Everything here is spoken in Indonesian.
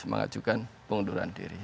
mengajukan pengunduran diri